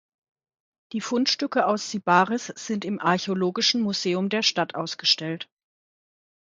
Die Fundstücke aus Sybaris sind im archäologischen Museum der Stadt ausgestellt.